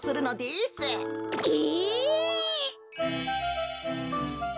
え！？